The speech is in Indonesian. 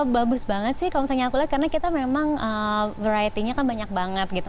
bagus banget sih kalau misalnya aku lihat karena kita memang verythy nya kan banyak banget gitu